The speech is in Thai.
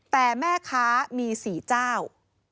แต่แม่ค้ามี๔เจ้า